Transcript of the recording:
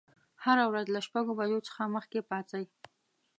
هره ورځ له شپږ بجو څخه مخکې پاڅئ.